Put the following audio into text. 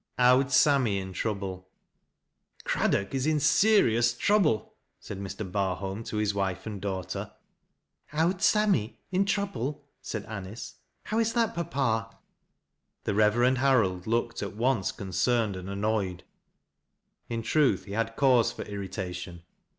OWD SAMMY " m TEOTTBLB. " Craddook is in serious trouble," said Mr. Bartolni k his wife and danghter. "' Owd Sammy ' in trouble," said Anice. " How ii that, papa ?" The Reverend Harold looked at once concerned and annoyed. In truth he had cause for irritation.